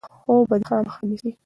خوب به دی خامخا نیسي.